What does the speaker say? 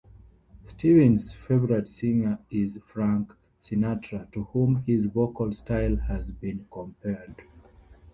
Stevens' favorite singer is Frank Sinatra, to whom his vocal style has been compared.